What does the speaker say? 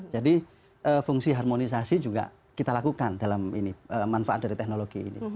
jadi fungsi harmonisasi juga kita lakukan dalam ini manfaat dari teknologi ini